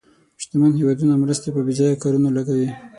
شتمن هېوادونه مرستې په بې ځایه کارونو لګوي.